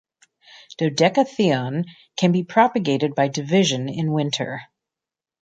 "Dodecatheon" can be propagated by division in winter.